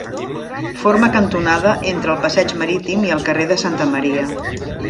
Forma cantonada entre el Passeig Marítim i el carrer de Santa Maria.